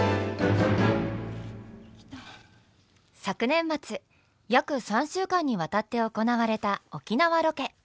昨年末約３週間にわたって行われた沖縄ロケ。